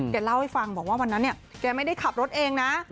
แกเล่าให้ฟังบอกว่าวันนั้นเนี่ยแกไม่ได้ขับรถเองนะ